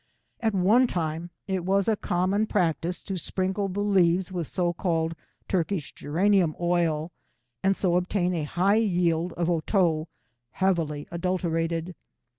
At one time it was a common practice to sprinkle the leaves with so called Turkish geranium oil, and so obtain a high yield of otto heavily adulterated.